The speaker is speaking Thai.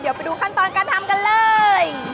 เดี๋ยวไปดูขั้นตอนการทำกันเลย